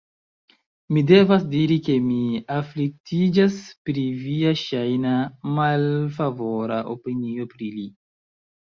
Mi devas diri, ke mi afliktiĝas pri via ŝajna malfavora opinio pri li.